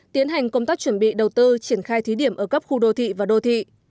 tiến hành công tác chuẩn bị đầu tư triển khai thí điểm ở các khu đô thị và đô thị